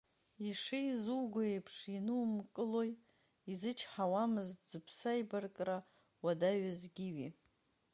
Ишеизуго еиԥш инумкылои, изычҳауамызт зԥсы аибаркра уадаҩыз Гиви.